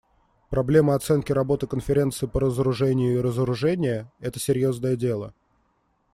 Проблема оценки работы Конференции по разоружению и разоружения − это серьезное дело.